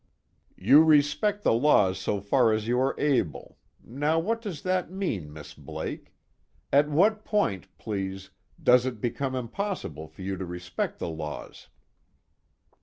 _ "You respect the laws so far as you are able now what does that mean, Miss Blake? At what point, please, does it become impossible for you to respect the laws?"